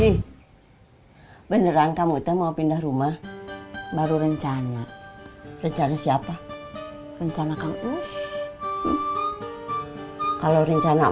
hai beneran kamu mau pindah rumah baru rencana rencana siapa rencana kalau rencana